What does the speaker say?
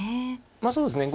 まあそうですね。